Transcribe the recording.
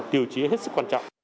cái mà tiêu chí hết sức quan trọng